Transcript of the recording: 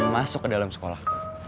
masuk ke dalam sekolah